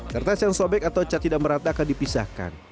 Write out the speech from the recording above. kertas yang sobek atau cat tidak merata akan dipisahkan